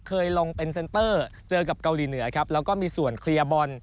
เคยลงเป็นเซ็นเตอร์เจอกับเกาหลีเหนือครับแล้วก็มีส่วนเคลียร์บอล